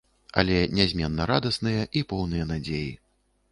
Але нязменна радасныя і поўныя надзеі.